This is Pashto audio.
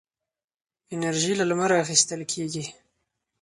انرژي له لمره اخېستل کېږي.